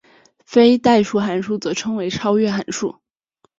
非代数函数则称为超越函数。